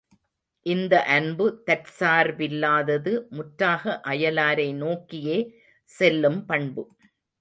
இந்த அன்பு தற்சார்பில்லாதது முற்றாக அயலாரை நோக்கியே செல்லும் பண்பு.